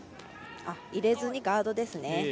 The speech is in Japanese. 入れずにガードですね。